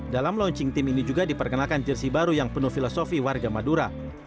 dalam launching tim ini juga diperkenalkan jersi baru yang penuh filosofi warga madura